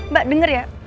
mbak denger ya